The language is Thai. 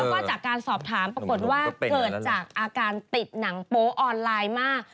แล้วก็จากการสอบถามปรากฏว่าเกิดจากอาการติดหนังโป๊ออนไลน์มาก